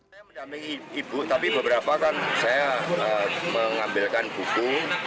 saya mendampingi ibu tapi beberapa kan saya mengambilkan buku